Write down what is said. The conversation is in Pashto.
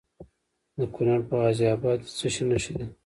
د کونړ په غازي اباد کې د څه شي نښې دي؟